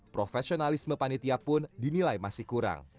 profesionalisme panitia pun dinilai masih kurang